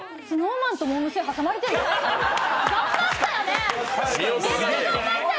ＳｎｏｗＭａｎとモー娘に挟まれてるんだよ。